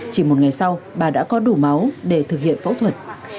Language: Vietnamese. chỉ một ngày sau bà đã có đủ máu để thực hiện phẫu thuật